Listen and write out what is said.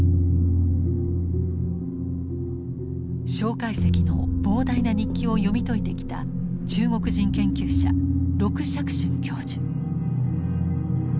介石の膨大な日記を読み解いてきた中国人研究者鹿錫俊教授。